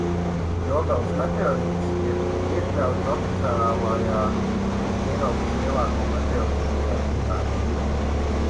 Dobeles meteorīts ir iekļauts oficiālajā Eiropas lielāko meteorītu sarakstā.